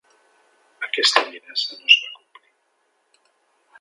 Aquesta amenaça no es va complir.